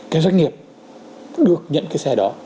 cái doanh nghiệp được nhận cái xe đó